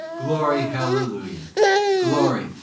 Glory Hallelujah! Glory!